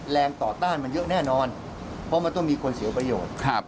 แรงต่อต้านมันเยอะแน่นอนเพราะมันต้องมีคนเสียประโยชน์